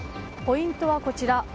ポイントはこちら。